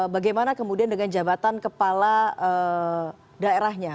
bagaimana kemudian dengan jabatan kepala daerahnya